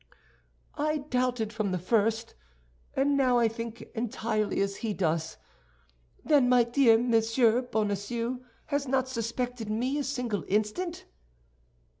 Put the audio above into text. "I doubted from the first; and now I think entirely as he does. Then my dear Monsieur Bonacieux has not suspected me a single instant?"